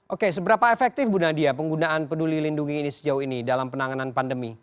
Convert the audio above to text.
oke seberapa efektif bu nadia penggunaan peduli lindungi ini sejauh ini dalam penanganan pandemi